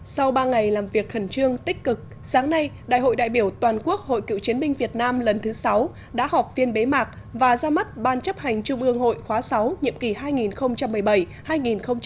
sau ba ngày làm việc khẩn trương tích cực sáng nay đại hội đại biểu toàn quốc hội cựu chiến binh việt nam lần thứ sáu đã họp phiên bế mạc và ra mắt ban chấp hành trung ương hội khóa sáu nhiệm kỳ hai nghìn một mươi bảy hai nghìn hai mươi